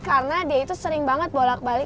karena dia itu sering banget bolak balik